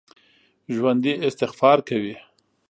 ژوندي استغفار کوي